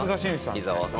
伊沢さん。